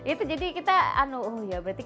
itu jadi kita anu ya berarti kita ngobrol gitu ya